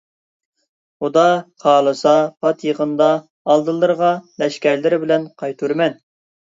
خۇدا خالىسا پات يېقىندا ئالدىلىرىغا لەشكەرلىرى بىلەن قايتۇرىمەن.